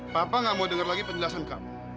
papa nggak mau dengar lagi penjelasan kamu